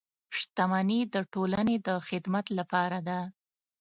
• شتمني د ټولنې د خدمت لپاره ده.